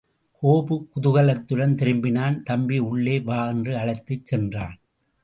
கோபு குதூகலத்துடன் திரும்பினான் தம்பி உள்ளே வா என்று அழைத்துச் சென்றான்.